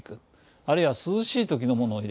あるいは涼しい時のものを入れる。